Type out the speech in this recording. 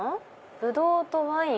ブドウとワイン。